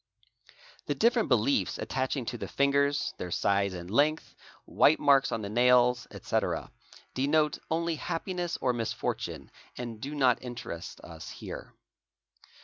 The different beliefs attaching to the fingers, their size and length, white marks on the nails, etc., denote only happiness or misfortune, and do not interest us here.